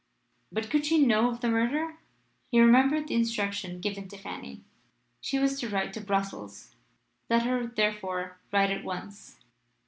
But could she know of the murder? He remembered the instruction given to Fanny. She was to write to Brussels. Let her therefore write at once.